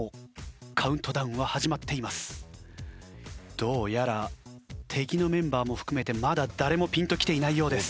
どうやら敵のメンバーも含めてまだ誰もピンときていないようです。